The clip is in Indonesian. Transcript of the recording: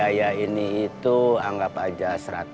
sama biaya ini itu anggap aja seratus